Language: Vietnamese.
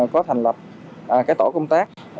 có thành lập cái tổ công tác